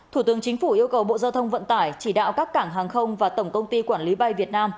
thủ tướng chính phủ yêu cầu bộ giao thông vận tải chỉ đạo các cảng hàng không và tổng công ty quản lý bay việt nam